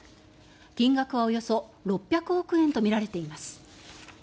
金額はおよそ６００億円とみられています。